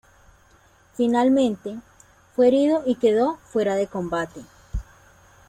Finalmente, fue herido y quedó fuera de combate.